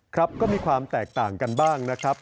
ครับก็มีความแตกต่างกันบ้างนะครับ